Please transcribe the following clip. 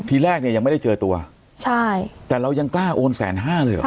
ทีแรกเนี่ยยังไม่ได้เจอตัวใช่แต่เรายังกล้าโอนแสนห้าเลยเหรอ